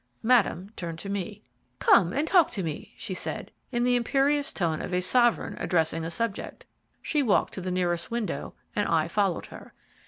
Madame turned to me. "Come and talk to me," she said, in the imperious tone of a sovereign addressing a subject. She walked to the nearest window, and I followed her.